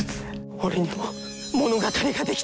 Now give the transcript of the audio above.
俺にも物語が出来た。